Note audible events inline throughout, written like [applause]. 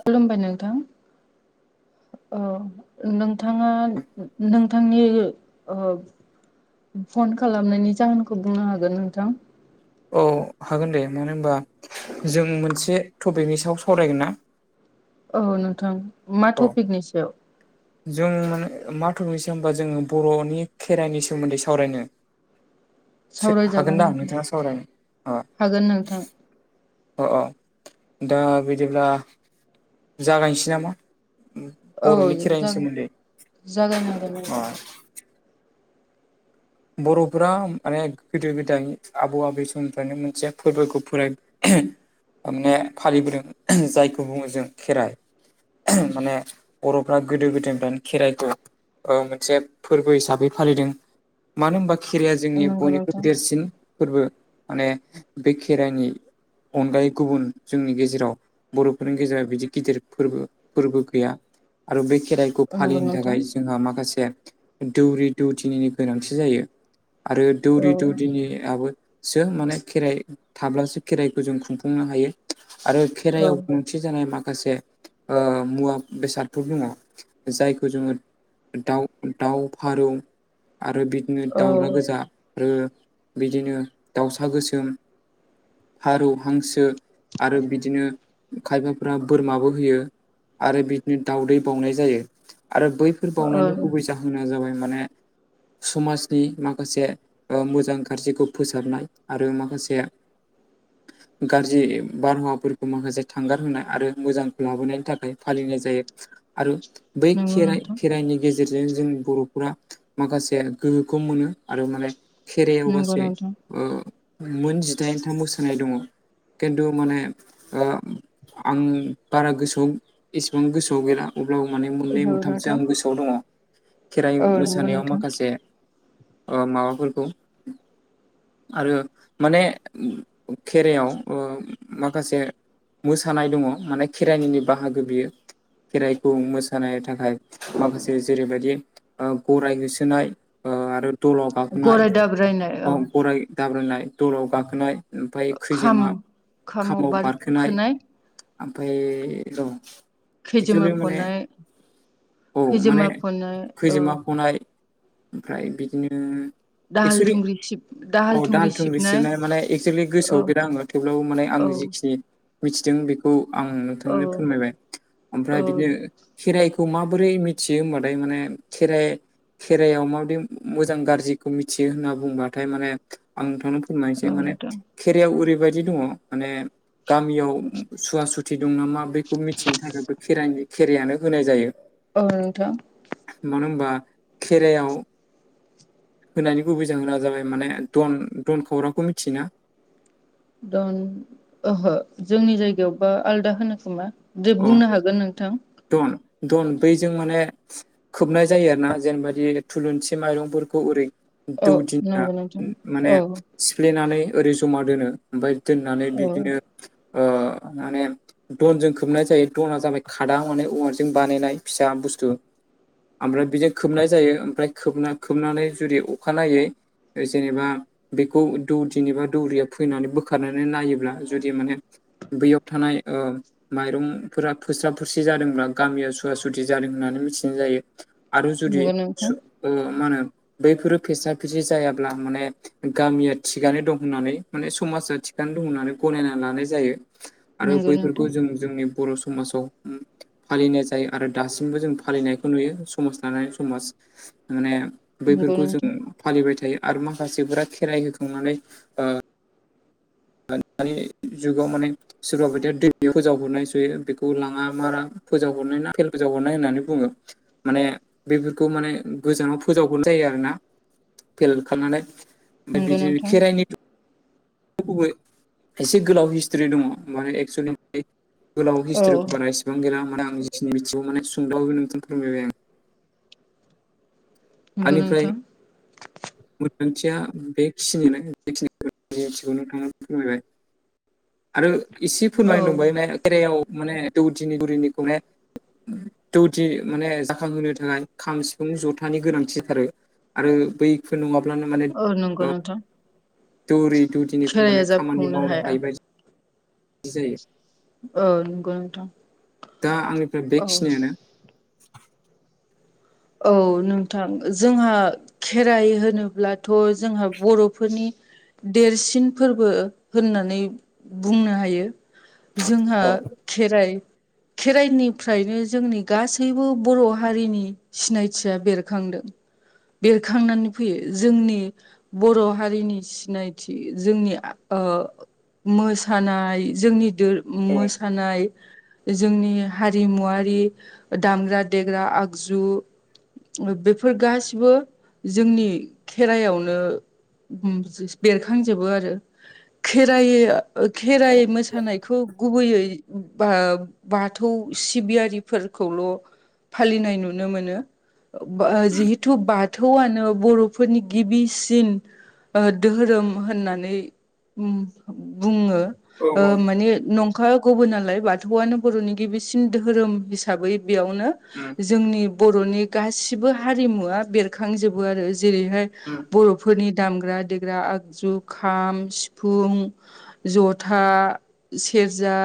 खुलुमबाय नोंथां? अ नोंथाङा नोंथांनि ओ फन खालामनायनि जाहोनखौ बुंनो हागोन नोंथां। औ हागोन दे मानो होनबा जों मोनसे टपिकनि सायाव सावरायगोन ना? औ नोंथां मा औ टपिकनि सायाव? जों माने माथफिक होनबा जोङो बर'नि खेराइनि सोमोन्दै सावरायनो। सावरायजागोन हागोनदा नोंथां नोंथाङा सावरायनो अ हागोन नोंथां अ अ दा बिदिब्ला जागायनोसै नामा? औ बर'नि खेराइनि सोमोन्दै जा-जागायनांगोन अ नोंथां। बर'फोरा माने गोदो गोदाय आबौ आबै समनिफ्रायनो मोनसे फोरबोखौ फोराय थारमाने फालिबोदों जायखौ बुङो जों खेराइ। माने बर'फ्रा गोदो गोदायनिफ्रायनो खेराइखौ ओ मोनसे फोरबो हिसाबै फालिदों मानो होनबा खेराइाया जोंनि नंगौ बयनिख्रुइ नोंथां देरसिन फोरबो माने बे खेराइनि अनगायै गुबुन जोंनि गेजेराव बर'फोरनि गेजेराव बिदि गिदिर फोरबो फोरबो गैया आरो बे खेराइखौ नंगौ फालिनो नोंथां थाखाय जोंहा माखासे दौरि दौदिनिनि गोनांथि जायो आरो दौरि औ दौदिनियाबो सो माने खेराइ थाब्लासो खेराइखौ जों खुंफुंनो हायो आरो औ खेराइआव थि जानाय माखासे ओ मुवा बेसादफोर दङ जायखौ जोङो दाउ दाउ फारौ आरो बिदिनो औ दाउला गोजा आरो बिदिनो दाउसा गोसोम फारौ हांसो आरो बिदिनो खायबाफोरा बोरमाबो होयो आरो बिदिनो दाउदै बावनाय जायो आरो बै बेफोर ओ बावनायनि गुबै जाहोना जाबाय माने समाज नि माखासे ओ मोजां गाज्रिखौ फोसाबनाय आरो माखासे [inaudible] गाज्रि बारहावाफोरखौ माखासे थांगार होनाय आरो मोजांखौ लाबोनायनि थाखाय फालिनाय जायो आरो बै नंगौ खेराइ नोंथां खेराइनि गेजेरजों जों बर'फोरा माखासे गो खौ मोनो आरो माने खेरायाव नंगौ गासै नोंथां ओ मोन जिदाइनथाम मोसानाय दङ खिन्थु माने ओ आं बारा गोसोआव एसेबां गोसोआव गैला अब्लाबो माने मोननै नंगौ मोनथामसो नोंथां आं गोसोआव दङ खेराइ औ नंगौ मोसानायाव नोंथां माखासे ओ माबाफोरखौ आरो माने खेरायाव ओ माखासे मोसानाय दङ माने खेराइनिनि बाहागो बियो खेराइखौ मोसानाय थाखाय माखासे जेरैबायदि गराय होसोनाय ओ आरो दलाव गाखोनाय गराय दाब्रायनाय औ गराय दाब्रायनाय दलाव गाखोनाय ओमफ्राय खाम खैजोमा खामाव बारखोनाय ओमफफ्राय र' खैजोमा एक्सेलि माने फनाय औ माने खैजोमा फनाय औ खैजोमा फनाय ओमफ्राय बिदिनो एक्सलि औ दाहाल थुंग्रि सिबनाय माने एक्सुलि औ गोसोआव गैला आङो थेवब्लाबो माने आं औ जिखिनि मिथिदों बेखौ आं औ नोंथांनो फोरमायबाय ओमफ्राय औ बिदिनो खेराइखौ माबोरै मिथियो होमबाथाय माने खेराइ खेराइआव मा मोजां गाज्रिखौ मिथियो होनना बुंबाथाय माने आं नोंथांनो फोरमायनोसै औ माने नोंथां खेरायाव ओरैबायदि दङ माने गामियाव सुवा सुथि दं नामा बेखौ मिथिनो थाखायबो खेराइनि खेराइायानो होनाय जायो औ नोंथां मानो होनबा खेरायाव होनायनि गुबै जाहोना जाबाय माने दन दन खौरांखौ मिथियोना दन ओहो जोंनि जायगायावबा आलदा होनो खोमा दे अ बुंनो हागोन नोंथां। दन दन बैजों माने खोबनाय जायो आरोना जेनेबाददि थुलुनसि माइरंफोरखौ ओरै औ दौ दिया नंगौ नोंथां माने औ सिफ्लेनानै ओरै जमा दोनो ओमफाय दोननानै औ बिदिनो ओ माने दनजों खोबनाय जायो दना जाबाय खा आदा [unintelligible] औवारजों बानायनाय फिसा बुस्थु ओमफ्राय बिदि खोबनाय जायो ओमफ्राय खोबना खोबनानै जुदि अखानायै ओ जेनेबा बेखौ दौदिनि बा दौरिया फैनानै बोखारनानै नायोब्ला जुदि माने बैयाव थानाय ओ माइरंफोरा फोस्राब सि जादोंब्ला गामिया सुवा सुथि जादों होननानै मिथिं जायो आरो जुदि नंगौ नोंथां सु ओ मा होनो बैफोरो फेसा फिसि जायाब्ला माने गामिया थिगानो दं होननानै माने समाजा थिगानो दं होननानै गनायना लानाय जायो। आरो नंगौ बैफोरखौ नोंथां जों जोंनि बर' समाजाव फालिनाय जायो आरो दासिमबो जों फालिनायखौ नुयो समाज लानानै समाज माने नंगौ बैफोरखौ नोंथां जों फालिबाय थायो आरो माखासेफोरा खेराइ होखांनानै ओ [unintelligible] दानि जुगाव माने सोरबा बायदिया दै फोजावहरनाय सयो बेखौ लाङा मारा फोजाव हरनाय ना भेल फोजाव हरनाय होननानै बुङो माने बेफोरखौ माने गोजानाव फोजावगरनाय जायो आरोना। फेल खामनानै ओमफाय नंगौ बिदिनो नोंथां खेराइनि [unintelligible] एसे गोलाव हिस्ट्रि दङ' माने एक्सुेलि औ [unintelligible] [unintelligible] नंगौ नोंथां। मोनदांथिया बेखिनियानो बेखिनिखौ नोंथाङा फोरमायबाय आरो इसे औ फोरमाय दंबाय म खेरायाव माने दौदिनिगुरिनिखौ म [unintelligible] दौदि माने जाखांहोनो थाखाय खाम सिफुं जथानि गोनांथिथारो आरो बै [unintelligible] नङाब्लानो माने औ नंगौ ओ नोंथां दौरि दुदिनिखौ खेराइाया माने खामानि जाफुंनो मावनो हाया हायोबायद [unintelligible] जायो औ नंगौ नोंथां दा आंनिफ्राय औ बेखिनियानो औ नोंथां जोंहा खेराइ होनोब्लाथ' जोंहा बर'फोरनि देरसिन फोरबो होननानै बुंनो हायो जोंहा औ खेराइ खेराइनिफ्रायनो जोंनि गासैबो बर' हारिनि सिनायथिया बेरखांदों बेरखांनानै फैयो जोंनि बर' हारिनि सिनायथि जोंनि आ ओ मोसानाय जोंनि दोर उम औ मोस थानाय जोंनि हारिमुवारि ओ दामग्रा -देग्रा आगजु ओ बेफोर गासिबो जोंनि खेराइयावनो उम [unintelligible] बेरखांजोबो आरो। खेराइयो ओ खेराइ मोसानायखौ गुबैयै बा बाथौ सिबियारिफोरखौल' फालिनाय नुनो मोनो। [unintelligible] बा जिहेथु बाद थौआनो बर'फोरनि गिबिसिन ओ दोहोरोम होननानै उम बुङो औ ओ औ माने नं खा गुबुनालाय बाथौआनो बर'नि गिबिसिन दोहोरोम बिस साबै बेयावनो उम जोंनि बर'नि गासिबो हारिमुआ बेरखांजोबो आरो जो जेरैहाय उम बर'फोरनि दामग्रा देग्रा आग जुखाम सिफुं जथा सेरजा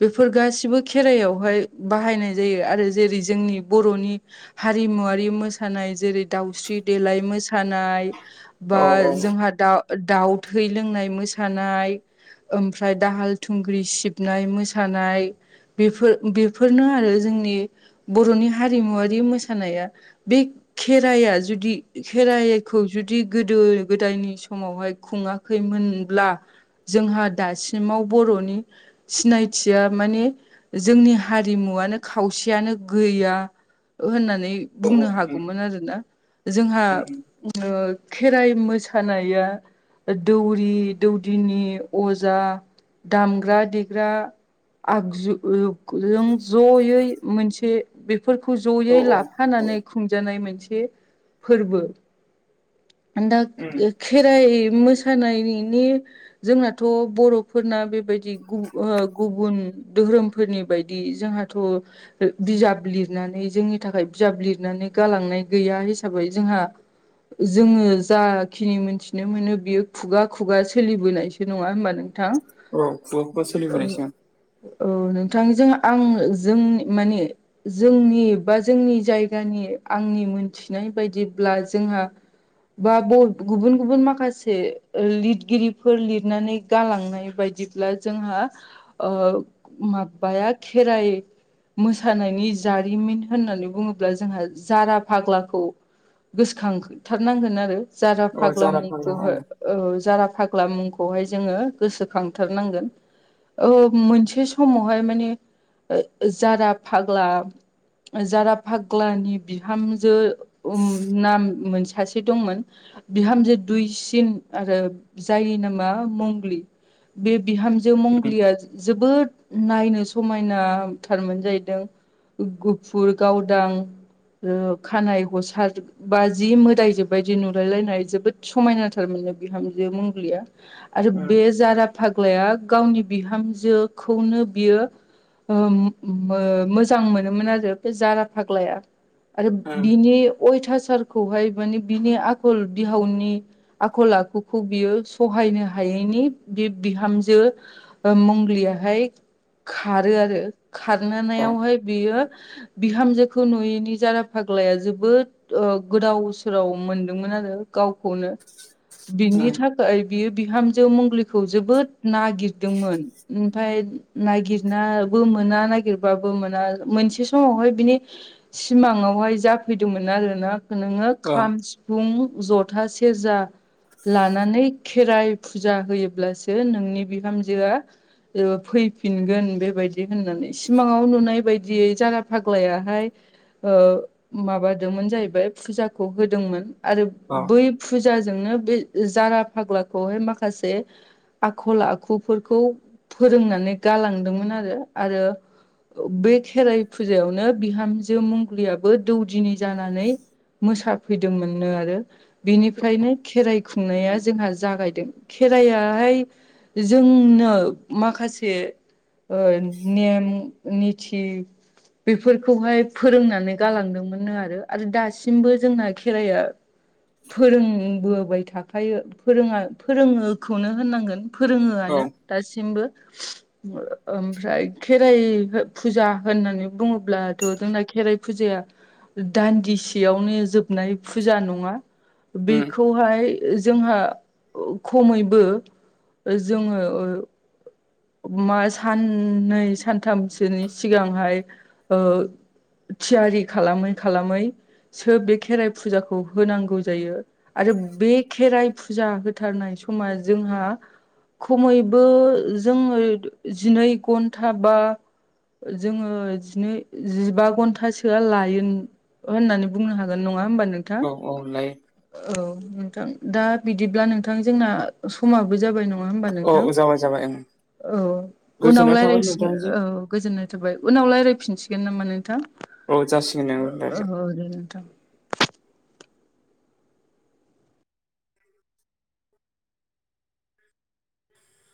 बेफोर गासिबो खेराइायावहाय बाहायनाय जायो आरो जेरै जोंनि बर'नि हारिमुवारि मोसानाय जेरै दाउस्रि देलाय मोसानाय बा औ औ जोंहा दाउ दाउ थै लोंनाय मोसानाय ओमफ्राय दाहाल थुंग्रि सिबनाय मोसानाय बेफोर बेफोरनो आरो जोंनि बर'नि हारिमुवारि मोसा नाया बे खेराइया जुदि खेराइखौ जुदि गोदो गोदायनि समावहाय खुङा खैमोनब्ला जोंहा दासिमाव बर'नि सिनायथिया माने जोंनि हारिमुवनो खावसेयानो गैया होननानै औ बुंनो उम हागौमोन आरोना जोंहा उम उम ओ खेराइ मोसानाया दौरि दौदिनि अजा दामग्रा देग्रा आगजु जों जयै मोनसे बेफोरखौ जयै औ औ औ लाफानानै खुंजानाय मोनसे फोरबो दा उम खेराइ मोसानायनि जोंनाथ बर'फोरना बेबायदि ओ गुबुन धोहोरोमफोरनि बायदि जोंहाथ' बिजाब लिरनानै जोंनि थाखाय बिजाब लिरनानै गालांनाय गैया हिसाबै जोंहा जोङो जाखिनि मोनथिनो मोनो बियो खुगा खुगा सोलिबोनायसो नङा होमबा नों थां औ खुगा खुगा ओ सोलिबोनायसो औ नोंथां जों आं जोंनि माने जोंनि बा जोंनि जायगानि आंनि मोनथिनाय बायदिब्ला जोंहा बा गुबुन गुबुन माखासे लिरगिरिफोर लिरनानै गालांनाय बायदि जोंहा ओ माबाया खेराइ मोसानायनि जारिमिन होननानै बुङोब्ला जोंहा जारा फाग्लाखौ गोसोखांथारनांगोन आरो जारा अ फाग्ला जारा ओं मुंखौहाय। औ जारा फाग्ला मुंखौहाय जोङो गोसोखांथारनांगोन। मोनसे समावहाय माने जारा फाग्ला जारा फाग्लानि बिहामजो [unintelligible] नाम मोनसे सासे दंमोन बिहामजो दुइसिन आरो जायनि नामा मंगलि बे बिहामजो उम मंगलिया जोबोद नायनो समायनाथारमोन जाहैदों। गुफुर गावदां खानाय गसार बा जि मो दायजो बायदि नुलायलायनाय जोबोद समायनाथारमोननो बिहामजो मंग्लिया। आरो उम बे जारा फाग्लाया गावनि बिहामजोखौनो बियो ओ मोजां मोनोमोन आरो बे जारा फाग्लाया। आरो उम बिनि अयथासारखौहाय माने बिनि आखल बिहावनि आखल आखुखौ बियो सहायनो हायैनि बे बिहामजो मंगलियाहाय खारो आरो औ खारनायावहाय बियो बिहामजोखौ नुयैनि जारा फाग्लाया जोबोद ओ गोदाव सोराव मोनदोंमोन आरो गावखौनो बिनि उम था खाय बियो बिहामजो मंगलिखौ जोबोद नागिरदोंमोन। ओमफाय नागिरनाबो मोना नागिरबाबो मोना मोनसे समावहाय बिनि सिमाङावहाय जाफैदोंमोन आरो ना नोङो औ खाम फुं जथा सेरजा लानानै खेराइ फुजा होयोब्लासो नोंनि बिहामजोआ फैफिनगोन बेबायदि होननानै सिमाङाव नुनाय बायदियै जारा फाग्लायाहाय ओ माबादोंमोन जाहैबाय फुजाखौ होदोंमोन आरो औ बै फुजाजोंनो बे जारा फाग्लाखौहाय माखासे आखल आखुफोरखौ फोरोंनानै गालांदोंमोन आरो आरो बे खेराइ फुजायावनो बिहामजो मंग्लियाबो दौदिनि जानानै मोसाफैदोंमोननो आरो बेनिफ्रायनो खेराइ खुंनाया जोंहा जागायदों खेराइाहाय जोंनो माखासे नेम निथि बेफोरखौहाय फोरोंनानै गालांदोंमोननो आरो आरो दासिम सिमबो जोंना खेराइाया फोरोंबोबाय थाखायो फोरोङा फोरोङोखौनो होननांगोन औ फोरोङोआनो दासिमबो ओमफ्राय खेराइ फुजा होननानै बुङोब्लाथ' जोंना खेराइ फुजाया दान्दिसेयावनो जोबनाय फुजा नंङा उम बेखौहाय जोंहा खमैबो जोंङो मा साननै सानथामसोनि सिगांहाय थियारि खालामै खालामै सो बे खेराइ फुजाखौ होनांगौ जायो। आरो बे खेराइ फुजा होथारनाय समा जोंहा खमैबो जोंङो जिनै घन्टा बा जोंङो जिनै जिबा घन्टासोआ लाय होननानै बुंनो हागोन नंङा होमबा नोंथां। औव औव लायो औ नोंथां दा बिदिब्ला नोंथां जोंना समाबो जाबाय नंङा नङा होमबा नोंथां औ जाबाय जाबाय ओं औ उनाव गोजोननाय थाबाय राय्लायसिगोन नोंथांनिसिम औ गोजोन्नाय थाबाय उनाव रायज्लायफिनसिगोन नामा नोंथां औ जासिगोन नों दे। [inaudible]